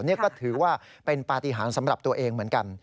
นี่ก็ถือว่าเป็นปฏิหารสำหรับตัวเองเหมือนกัน